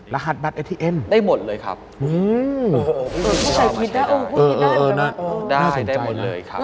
รหัสบัตรไอทีเอ็น